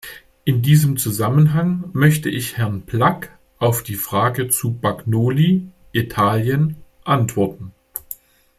In diesem Zusammenhang möchte ich Herrn Blak auf die Frage zu Bagnoli, Italien, antworten.